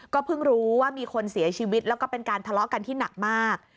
เพิ่งรู้ว่ามีคนเสียชีวิตแล้วก็เป็นการทะเลาะกันที่หนักมาก